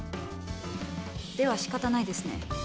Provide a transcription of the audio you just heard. では仕方ないですね。